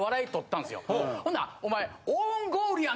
ほんなら「お前」。